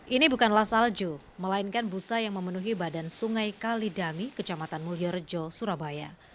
ini bukanlah salju melainkan busa yang memenuhi badan sungai kalidami kecamatan mulyorejo surabaya